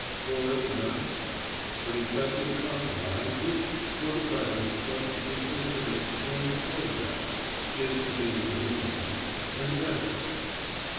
Cora did not accept, but effected a compromise, which, for the present, was to consist of an exchange of photographs (his to be in uniform) and letters.